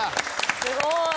すごい！